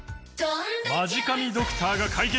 マジ神ドクターが解決！